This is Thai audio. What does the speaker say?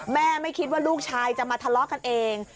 ไม่คิดว่าลูกชายจะมาทะเลาะกันเอง